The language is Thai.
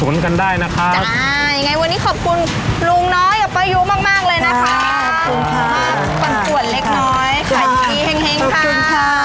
อยู่ที่ทะหนดนสงประพาน